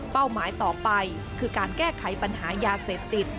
หมายต่อไปคือการแก้ไขปัญหายาเสพติด